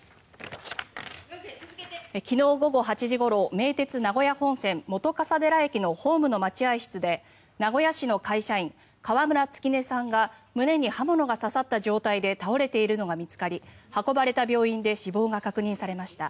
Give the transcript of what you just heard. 昨日午後８時ごろ名鉄名古屋本線本笠寺駅のホームの待合室で名古屋市の会社員川村月音さんが胸に刃物が刺さった状態で倒れているのが見つかり運ばれた病院で死亡が確認されました。